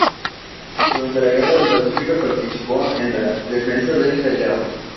Durante la Guerra del Pacífico participó en la defensa del Callao.